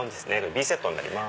Ｂセットになります。